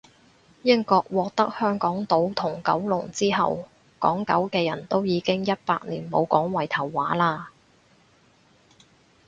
英國獲得香港島同九龍之後，港九嘅人都已經一百年冇講圍頭話喇